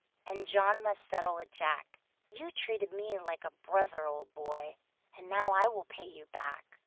And John must settle with Jack; You treated me like a brother, old boy And now I will pay you back.